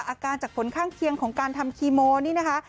อาการจากผลข้างเคียงของการทำคีโมนี่นะคะ